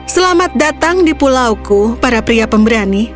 selamat datang di pulauku para pria pemberani